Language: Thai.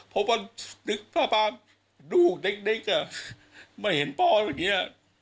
เพราะว่านึกภาพลูกเด็กมาเห็นพ่ออย่างนี้